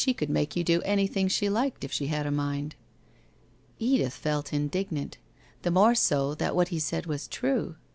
She could make you do anything she liked if she had a mind.' Edith felt indignant, the more so that what he said was true.